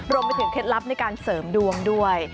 รวมไปถึงเคล็ดลับในการเสริมดวงด้วย